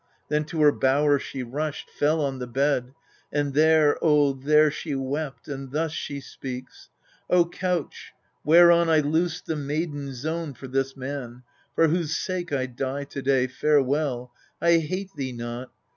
Then to her bower she rushed, fell on the bed ; And there, oh, there she wept, and thus she speaks :" O couch, whereon I loosed the maiden zone For this man, for whose sake I die to day, Farewell : I hate thee not.